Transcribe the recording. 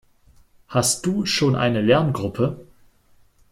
Hast du schon eine Lerngruppe?